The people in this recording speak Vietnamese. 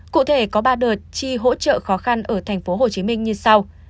cụ thể có ba đợt chi hỗ trợ khó khăn ở tp hcm như sau